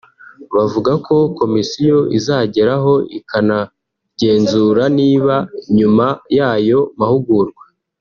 bavuga ko Komisiyo izageraho ikanagenzura niba nyuma y’ayo mahugurwa